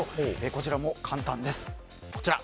こちらも簡単です。